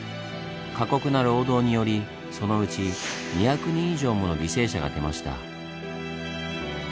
過酷な労働によりそのうち２００人以上もの犠牲者が出ました。